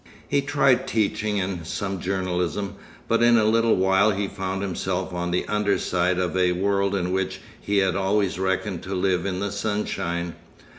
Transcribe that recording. He tried teaching and some journalism, but in a little while he found himself on the underside of a world in which he had always reckoned to live in the sunshine.